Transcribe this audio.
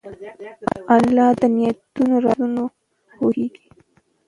الله د نیتونو رازونه پوهېږي.